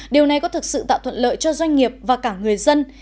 điều này có thực sự tạo thuận lợi cho doanh nghiệp và cả người dân